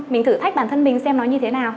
mình thử thách bản thân mình xem nó như thế nào